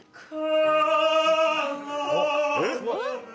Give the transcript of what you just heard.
えっ！